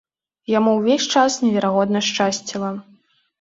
Яму ўвесь час неверагодна шчасціла.